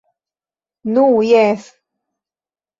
- Nu, jes...